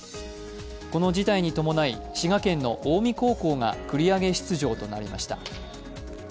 この辞退にともない滋賀県の近江高校が繰り上げ出場となりました。